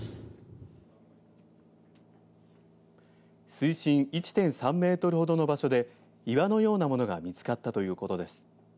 水深１．３メートルほどの場所で岩のようなものが見つかったということです。